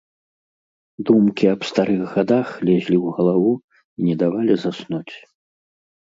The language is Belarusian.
Думкі аб старых гадах лезлі ў галаву і не давалі заснуць.